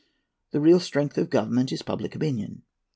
The real strength of government is public opinion.